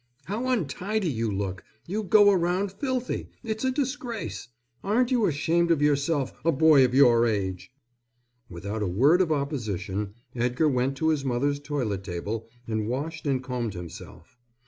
"How untidy you look. You go around filthy. It's a disgrace. Aren't you ashamed of yourself a boy of your age!" Without a word of opposition Edgar went to his mother's toilet table and washed and combed himself.